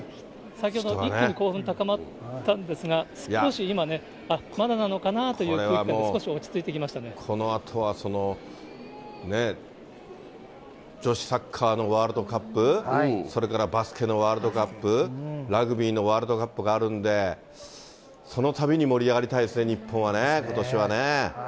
先ほど、一気に興奮高まったんですが、少し今ね、あっ、まだなのかなという空気感、このあとは、女子サッカーのワールドカップ、それからバスケのワールドカップ、ラグビーのワールドカップがあるんで、そのたびに盛り上がりたいですね、日本はね、ことしはね。